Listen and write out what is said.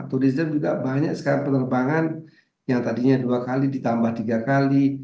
turism juga banyak sekali penerbangan yang tadinya dua kali ditambah tiga kali